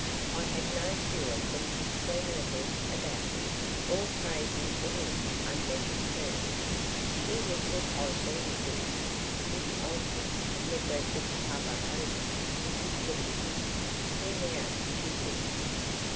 I had no fewer than sixteen letters about it, all praising it in unmeasured terms." He looked at Oswald's boots, which Oswald had neglected to cover over with his petticoats. He now did this.